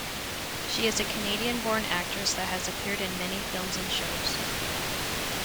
She is a Canadian born actress that has appeared in many films and shows.